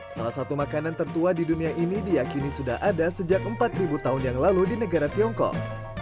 salah satu makanan tertua di dunia ini diakini sudah ada sejak empat tahun yang lalu di negara tiongkok